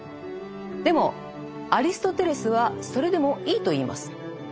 でもアリストテレスはそれでもいいと言います。